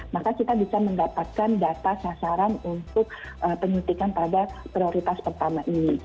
maka kita bisa mendapatkan data sasaran untuk penyuntikan pada prioritas pertama ini